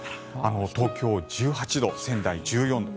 東京、１８度仙台、１４度。